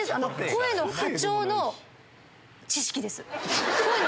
声の波長の知識です。